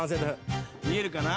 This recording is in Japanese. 見えるかな？